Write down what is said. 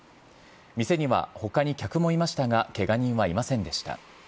店にはほかに客もいましたが、けが人はいませんでした。